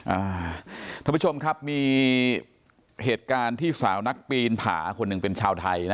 ท่านผู้ชมครับมีเหตุการณ์ที่สาวนักปีนผาคนหนึ่งเป็นชาวไทยนะ